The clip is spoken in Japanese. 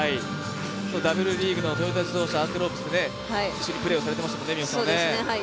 Ｗリーグのトヨタ自動車アンテロープスで一緒にプレーをされていましたもんね、三好さんね。